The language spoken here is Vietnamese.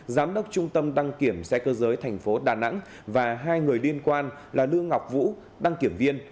giám đốc trung tâm đăng kiểm xe cơ giới tp đà nẵng và hai người liên quan là lương ngọc vũ đăng kiểm viên